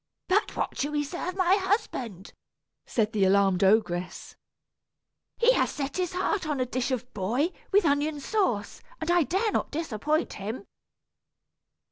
"But what shall we serve my husband?" said the alarmed ogress. "He has set his heart on a dish of boy with onion sauce, and I dare not disappoint him."